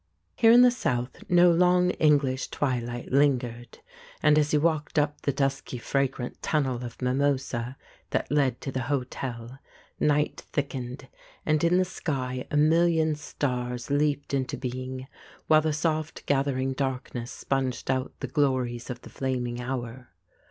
184 The Ape Here in the South no long English twilight lin gered, and as he walked up the dusky fragrant tunnel of mimosa that led to the hotel, night thickened, and in the sky a million stars leaped into being, while the soft gathering darkness sponged out the glories of the flaming hour.